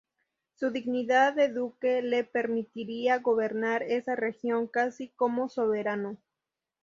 Su dignidad de duque le permitiría gobernar esa región casi como soberano.